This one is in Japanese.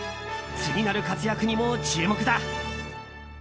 次なる活躍にも注目だ。